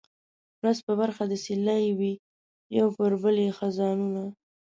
ورځ په برخه د سیلۍ وي یو پر بل یې خزانونه